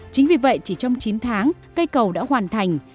chính vì vậy chỉ trong chín tháng cây cầu đã hoàn thành